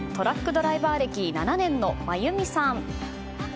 ドライバー歴７年の真弓さん。